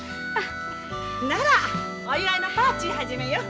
ならお祝いのパーチー始めよう。